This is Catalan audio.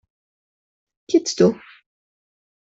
Qui ets tu?